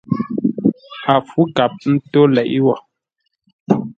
A fú kap tó leʼé wo.